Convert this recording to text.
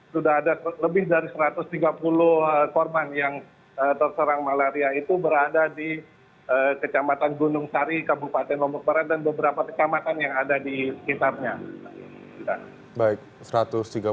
sudah ada lebih dari satu ratus tiga puluh korban yang terserang malaria itu berada di kecamatan gunung sari kabupaten lombok barat dan beberapa kecamatan yang ada di sekitarnya